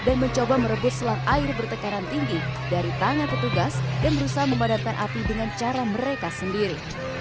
dan mencoba merebut selang air bertekanan tinggi dari tangan petugas yang berusaha memadarkan api dengan cara mereka sendiri